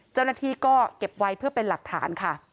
เจ้าหน้าที่ก็เก็บไว้เพื่อเป็นหลักฐานค่ะ